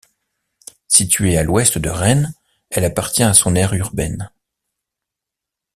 Située à l'ouest de Rennes, elle appartient à son aire urbaine.